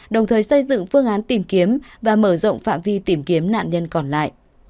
đồng thời xây dựng phương án tìm kiếm và mở rộng phạm vi tìm kiếm nạn nhân còn lại